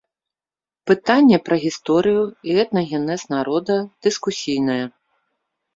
Пытанне пра гісторыю і этнагенез народа дыскусійнае.